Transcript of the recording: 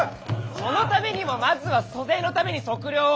そのためにもまずは租税のために測量を。